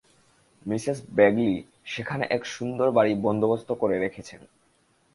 Mrs Bagley সেখানে এক সুন্দর বাড়ী বন্দোবস্ত করে রেখেছেন।